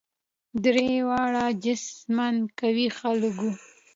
درې واړه جسما قوي خلک وه.